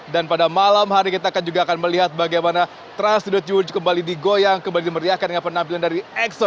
dan pada malam hari kita juga akan melihat bagaimana trans studio cibubur kembali digoyang kembali dimeriahkan dengan penampilan dari exo